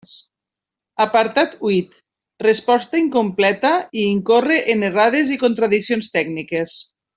Apartat huit: resposta incompleta i incorre en errades i contradiccions tècniques.